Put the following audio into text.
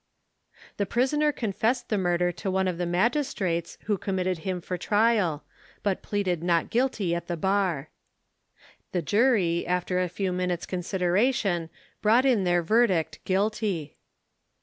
The prisoner confessed the murder to one of the magistrates who committed him for trial; but pleaded Not Guilty at the bar. The jury, after a few minutes' consideration, brought in their verdict Guilty.